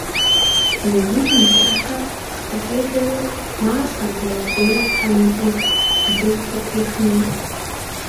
Езым и лы Ӏыхьэр хыфӀедзэри, малъэ, модрей хьэм иӀыгъ лыр къытрихыну.